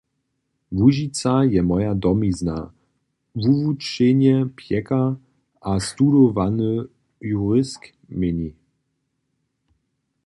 Łužica je moja domizna, wuwučeny pjekar a studowany jurist měni.